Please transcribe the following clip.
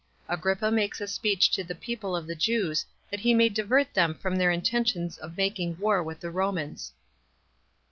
Agrippa Makes A Speech To The People Of The Jews That He May Divert Them From Their Intentions Of Making War With The Romans.